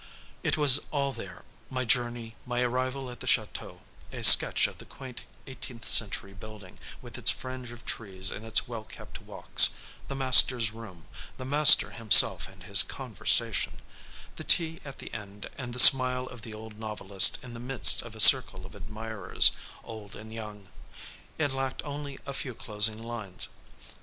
It was all there, my journey, my arrival at the chateau, a sketch of the quaint eighteenth century building, with its fringe of trees and its well kept walks, the master's room, the master himself and his conversation; the tea at the end and the smile of the old novelist in the midst of a circle of admirers, old and young. It lacked only a few closing lines.